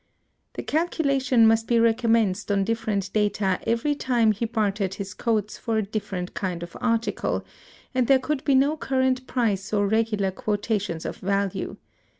The calculation must be recommenced on different data every time he bartered his coats for a different kind of article, and there could be no current price or regular quotations of value.